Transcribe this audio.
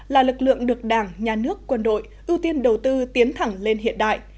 là lực lượng được đảng nhà nước quân đội ưu tiên đầu tư tiến thẳng lên hiện đại